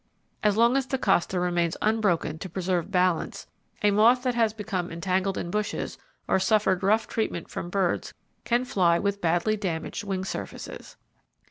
As long as the costa remains unbroken to preserve balance, a moth that has become entangled in bushes or suffered rough treatment from birds can fly with badly damaged wing surfaces.